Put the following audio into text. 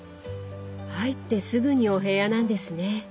入ってすぐにお部屋なんですね。